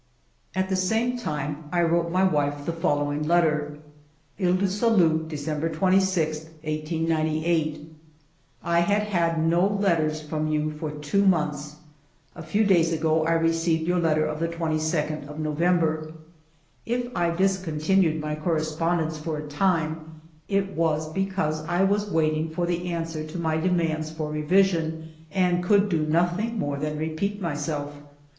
At the same time I wrote my wife the follow ing letter :— "Iles du Salut, December 26, 1898. " I had had no letters from you for two months. A few days ago I received your letter of the 2 2d of November. If I discontinued my correspond ence for a time, it was because I was waiting for the answer to my demands for revision and could do nothing more than repeat myself.